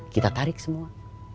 kita tarik semua